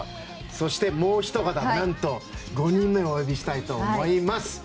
そしてもうひと方、５人目をお呼びしたいと思います。